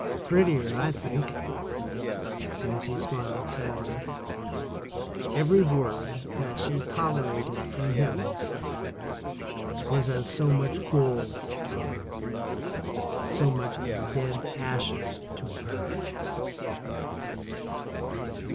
"Prettier, I think," and she smiled sadly. Every word that she tolerated from him was as so much gold to him, so much of dead ashes to her.